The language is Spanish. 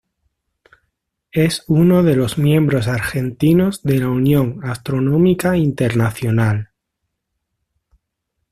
Es uno de los miembros Argentinos de la Unión Astronómica Internacional.